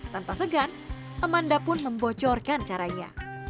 tanpa segan amanda pun membocorkan caranya